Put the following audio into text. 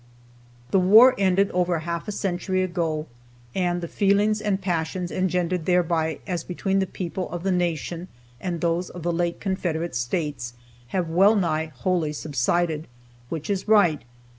The war ended over half a century ago, and the feelings and passions engendered thereby, as between the people of the Nation and those of the late Confederate States, have well nigh wholly subsided, which is right.